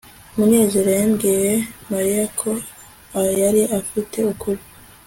munezero yabwiye mariya ko yari afite ukuri